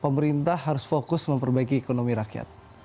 pemerintah harus fokus memperbaiki ekonomi rakyat